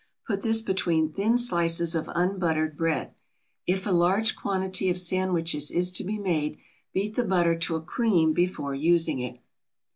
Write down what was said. Put this between thin slices of unbuttered bread. If a large quantity of sandwiches is to be made, beat the butter to a cream before using it.